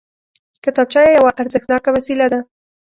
کتابچه یوه ارزښتناکه وسیله ده